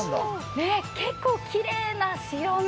結構きれいな白身。